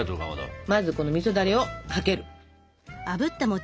まずこのみそだれをかける！